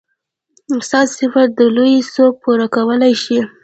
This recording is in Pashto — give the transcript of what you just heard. ستا صفت د لويي څوک پوره کولی شي.